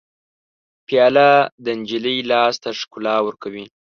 پیاله د نجلۍ لاس ته ښکلا ورکوي.